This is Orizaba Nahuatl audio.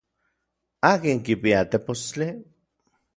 ¿Akin kipia tepostli?